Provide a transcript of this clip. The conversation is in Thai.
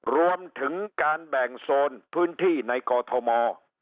รวมถึงการแบ่งโซนพื้นที่ในกอทม